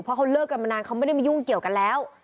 เพราะเขาเลิกกันมานานเขาไม่ได้มายุ่งเกี่ยวกันแล้ว